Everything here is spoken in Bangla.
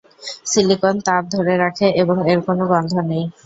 সিলিকন তাপ ধরে রাখে এবং এর কোনও গন্ধ নেই।